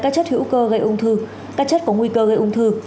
các chất có nguy cơ gây ung thư